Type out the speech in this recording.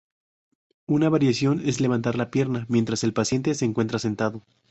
Una variación es levantar la pierna mientras el paciente se encuentra sentado.